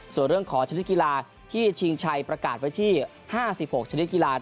ส่วนเรื่องของชนิดกีฬาที่ชิงชัยประกาศไว้ที่๕๖ชนิดกีฬา